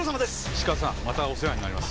石川さんまたお世話になります。